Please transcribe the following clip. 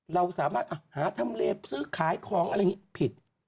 เราสามารถหาทำเลฟซื้อขายของอะไรอย่างนี้ผิด